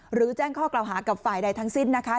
แจ้งข้อกล่าวหากับฝ่ายใดทั้งสิ้นนะคะ